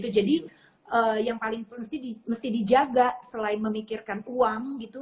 jadi yang paling mesti dijaga selain memikirkan uang gitu